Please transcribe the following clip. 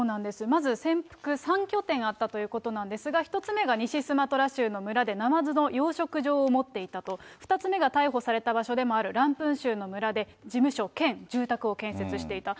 まず潜伏３拠点あったということなんですが、１つ目が西スマトラ州の村でナマズの養殖場を持っていたと、２つ目が逮捕された場所でもあるランプン州の村で、事務所兼住宅を建設していた。